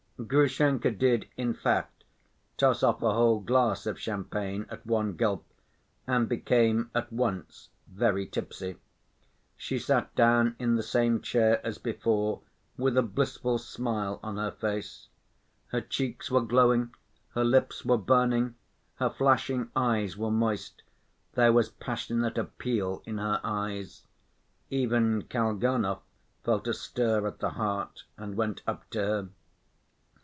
Grushenka did, in fact, toss off a whole glass of champagne at one gulp, and became at once very tipsy. She sat down in the same chair as before, with a blissful smile on her face. Her cheeks were glowing, her lips were burning, her flashing eyes were moist; there was passionate appeal in her eyes. Even Kalganov felt a stir at the heart and went up to her.